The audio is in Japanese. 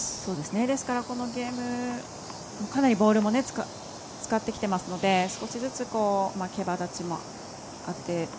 ですから、このゲームかなりボールも使ってきてますので少しずつ、けばだちもあって。